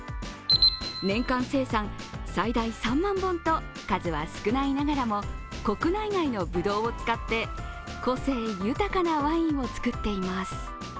年間生産最大３万本と数は少ないながらも国内外のぶどうを使って、個性豊かなワインを作っています。